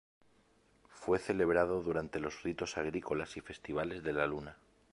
Fue celebrado durante los ritos agrícolas y festivales de la Luna.